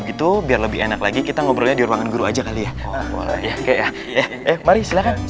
begitu biar lebih enak lagi kita ngobrolnya di ruangan guru aja kali ya boleh ya eh mari silakan